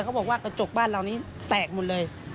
เขาบอกว่ากระจกบ้านเรานี้แตกหมดเลย